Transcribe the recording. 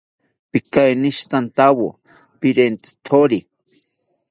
Pikeinishitantawo pirentzitori